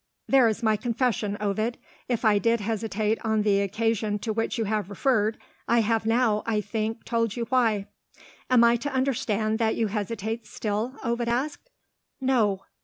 There is my confession, Ovid. If I did hesitate on the occasion to which you have referred, I have now, I think, told you why." "Am I to understand that you hesitate still?" Ovid asked. "No."